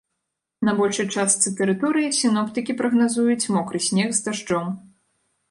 На большай частцы тэрыторыі сіноптыкі прагназуюць мокры снег з дажджом.